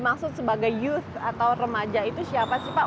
maksud sebagai youth atau remaja itu siapa sih pak